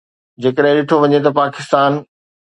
جيڪڏهن ڏٺو وڃي ته پاڪستان